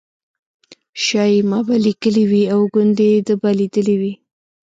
شایي ما به لیکلي وي او ګوندې ده به لیدلي وي.